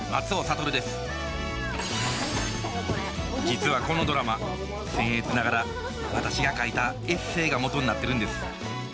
実はこのドラマせん越ながら私が書いたエッセイが元になってるんです。